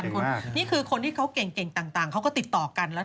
ก็เหมือนกับเป็นอาชีพที่สอบแล้วล่ะ